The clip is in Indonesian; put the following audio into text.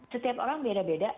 setiap orang beda beda